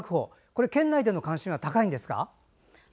これ、県内での関心は高いんですか？